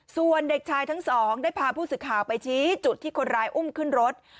ส่วนเด็กชายทั้งสองได้พาผู้สื่อข่าวไปชี้จุดที่คนร้ายอุ้มขึ้นรถ